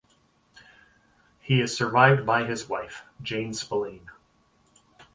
He is survived by his wife, Jane Spillane.